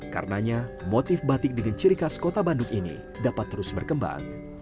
karenanya motif batik dengan ciri khas kota bandung ini dapat terus berkembang